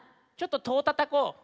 ちょっととをたたこう。